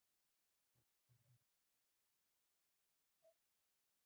د هلک په سر چې دغه امتحان شو.